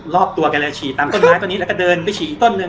รอบตัวแกเลยฉี่ตามต้นไม้ต้นนี้แล้วก็เดินไปฉี่อีกต้นหนึ่ง